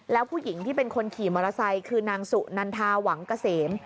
แล้วผู้หญิงที่เป็นคนขี่มอเตอร์ไซค์คือนางสุนันทาหวังเกษม